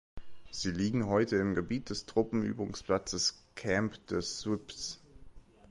Sie liegen heute im Gebiet des Truppenübungsplatzes Camp de Suippes.